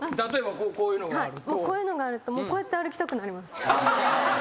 こういうのがあるとこうやって歩きたくなります。